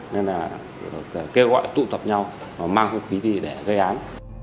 nên là kêu gọi tụ tập nhau mang hung khí đi để gây án